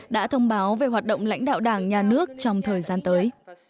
đã thông báo về hoạt động lãnh đạo đảng nhà nước trong thời gian tới